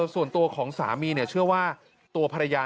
ส่วนตัวของสามีเนี่ย